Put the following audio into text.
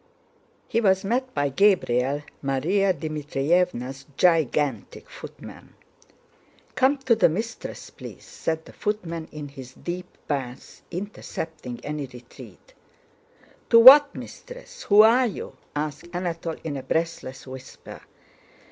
He was met by Gabriel, Márya Dmítrievna's gigantic footman. "Come to the mistress, please," said the footman in his deep bass, intercepting any retreat. "To what Mistress? Who are you?" asked Anatole in a breathless whisper.